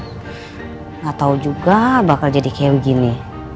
tidak tahu juga akan menjadi seperti ini